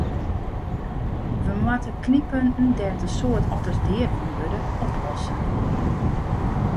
We moatte knyppunten dêr't in soad otters deariden wurde, oplosse.